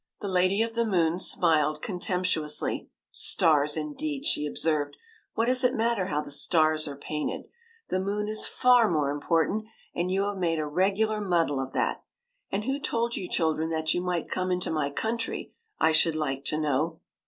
The Lady of the Moon smiled contemptu ously. '' Stars, indeed !" she observed. '' What does it matter how the stars are painted ? The moon is far more important, and you have made a regular muddle of that! And who told you children that you might come into my country, I should like to know